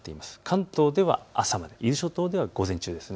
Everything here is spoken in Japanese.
関東では朝、伊豆諸島では午前中です。